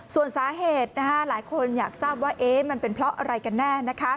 ส่วนสาเหตุหลายคนอยากทราบว่ามันเป็นเพราะอะไรกันแน่